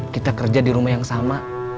kita kerja di rumah yang sama